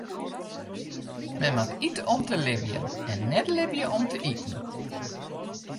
Men moat ite om te libjen en net libje om te iten.